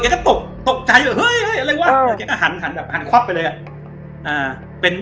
ก็ตกใจเฮ้ยอะไรวะแกก็หันขว๊บไปเลย